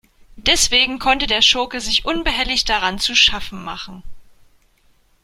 Deswegen konnte der Schurke sich unbehelligt daran zu schaffen machen.